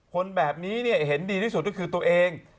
คนแบบนี้เห็นดีที่สุดก็คือตัวเอง